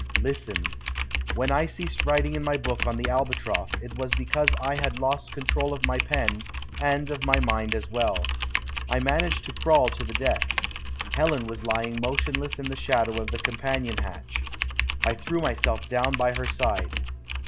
Listen. When I ceased writing in my book on the Albatross it was because I had lost control of my pen, and of my mind as well. I managed to crawl to the deck. Helen was lying motionless in the shadow of the companion hatch. I threw myself down by her side.